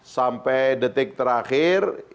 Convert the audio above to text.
sampai detik terakhir